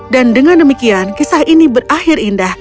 dan dengan demikian kisah ini berakhir indah